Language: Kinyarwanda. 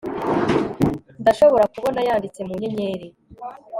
ndashobora kubona yanditse mu nyenyeri